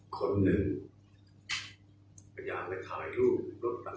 คนหนึ่งอยากไปถ่ายรูปลูกต่าง